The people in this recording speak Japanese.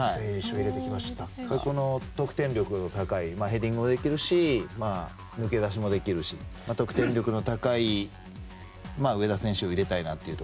この得点力の高いヘディングもできるし抜け出しもできるし得点力の高い上田選手を入れたいなと。